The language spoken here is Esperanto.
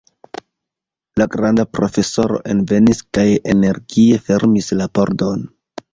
La granda profesoro envenis kaj energie fermis la pordon.